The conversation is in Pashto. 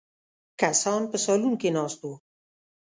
کسان په سالون کې ناست وو.